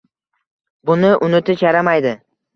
Buni unutish yaramaydi.